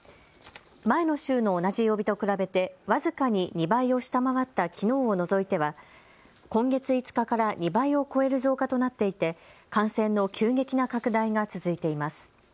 前の週の同じ曜日と比べて僅かに２倍を下回ったきのうを除いては今月５日から２倍を超える増加となっていて感染の急激な拡大が続いています。